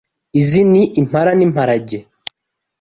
Izi ni impara n’imparage